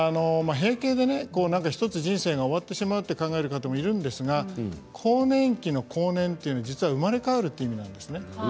閉経で１つ人生が終わってしまうと考える方もいるんですが更年期の更年というのは実は、生まれ変わるという意味なんです。